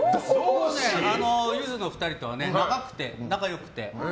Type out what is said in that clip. ゆずの２人とは長くて仲良くて。